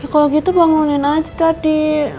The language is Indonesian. ya kalau gitu bangunin aja tadi